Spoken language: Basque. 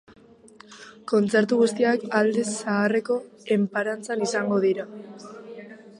Kontzertu guztiak alde zaharreko enparantzan izango dira.